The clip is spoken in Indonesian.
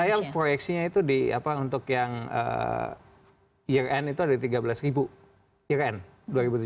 saya proyeksi nya itu untuk yang year end itu ada tiga belas year end dua ribu tujuh belas